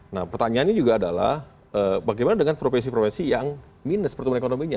nah pertanyaannya juga adalah bagaimana dengan provinsi provinsi yang minus pertumbuhan ekonominya